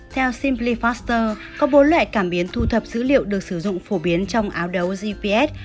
theo simliforster có bốn loại cảm biến thu thập dữ liệu được sử dụng phổ biến trong áo đấu gps